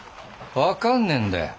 分かんねえんだよ。